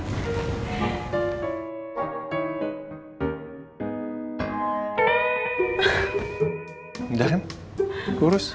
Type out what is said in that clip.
gila kan kurus